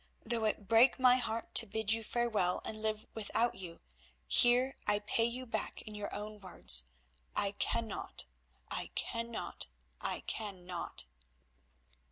Though it break my heart to bid you farewell and live without you, here I pay you back in your own words—I cannot, I cannot, I cannot!"